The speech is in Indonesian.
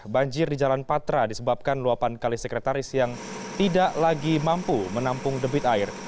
banjir di jalan patra disebabkan luapan kali sekretaris yang tidak lagi mampu menampung debit air